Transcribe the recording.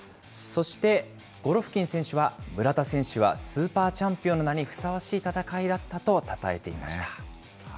そしてゴロフキン選手は村田選手はスーパーチャンピオンの名にふさわしい戦いだったとたたえていました。